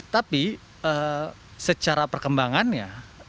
tapi secara perkembangannya